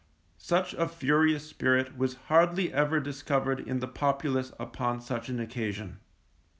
Such a furious spirit was hardly ever discovered in the populace upon such an occasion.